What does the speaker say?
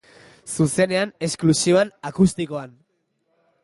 Zuzenean, esklusiban, akustikoan.